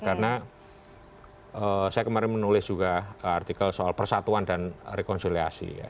karena saya kemarin menulis juga artikel soal persatuan dan rekonsiliasi ya